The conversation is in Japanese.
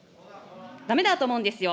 だめだと思うんですよ。